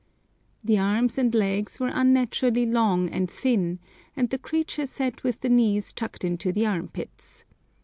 The arms and legs were unnaturally long and thin, and the creature sat with the knees tucked into the armpits.